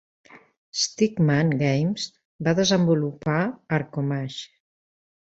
Stickman Games va desenvolupar "Arcomage".